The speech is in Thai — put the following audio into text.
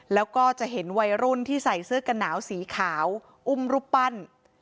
แล้วก็จะเห็นวัยรุ่นที่ใส่เสื้อกันหนาวสีขาวอุ้มรูปปั้น